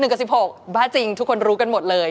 กับ๑๖บ้าจริงทุกคนรู้กันหมดเลย